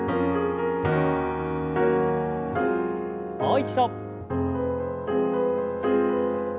もう一度。